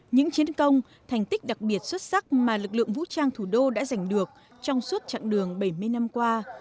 những chiến công thành tích đặc biệt xuất sắc mà lực lượng vũ trang thủ đô đã giành được trong suốt chặng đường bảy mươi năm qua